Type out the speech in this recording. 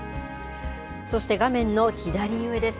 そして画面の左上です。